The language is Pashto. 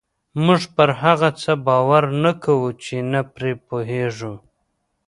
موږ پر هغه څه باور نه کوو چې نه پرې پوهېږو.